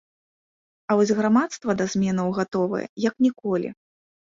А вось грамадства да зменаў гатовае, як ніколі.